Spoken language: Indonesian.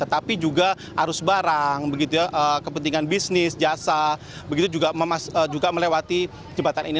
tetapi juga arus barang kepentingan bisnis jasa begitu juga melewati jembatan ini